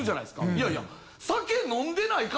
いやいや。